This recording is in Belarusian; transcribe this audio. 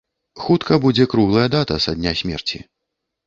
Хутка будзе круглая дата са дня смерці.